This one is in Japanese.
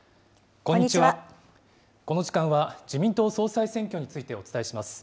この時間は、自民党総裁選挙についてお伝えします。